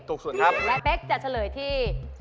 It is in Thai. ถูกสุดครับและเป๊กจะเฉลยที่